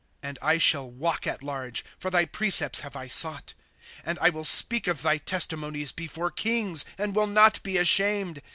Google PSALMS. ^^ And I shall walk at large ; For thy precopts have I sought. ^ And I will speak of thy testimonies before kings, And will not be ashamed.